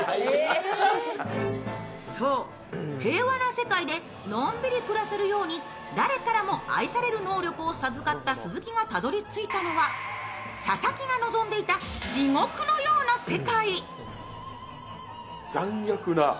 そう、平和な世界でのんびり暮らせるように誰からも愛される能力を授かった鈴木がたどり着いたのは、佐々木が望んでいた、地獄のような世界。